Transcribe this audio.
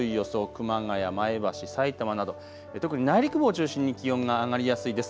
熊谷や前橋、さいたまなど特に内陸部を中心に気温が上がりやすいです。